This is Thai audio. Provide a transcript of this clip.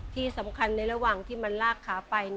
ที่สำคัญในระหว่างที่มันลากขาไป